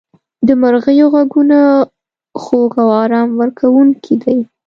• د مرغیو ږغونه خوږ او آرام ورکوونکي دي.